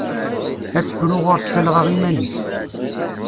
Asefru ɣur-s talɣa iman-is.